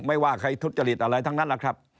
ไม่ว่าใครทุศจริตอะไรทั้งนั้นนะครับ